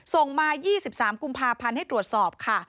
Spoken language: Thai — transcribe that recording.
ส่งมา๒๓กุมภาพันธ์ให้ตรวจสอบค่ะ